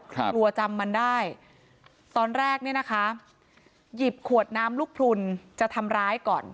กลัวจำมันได้ตอนแรกเนี่ยนะคะหยิบขวดน้ำลูกพลุนจะทำร้ายก่อน